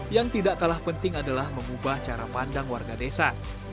yang tidak kalah penting adalah mengubah cara pandang warga desa